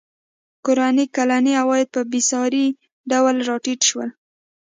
کورنیو کلني عواید په بېساري ډول راټیټ شول.